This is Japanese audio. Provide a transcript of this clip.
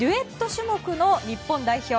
種目の日本代表。